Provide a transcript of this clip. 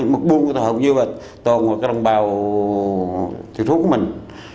một buôn của ta hầu như là toàn bộ các đồng bào thiểu thú của mình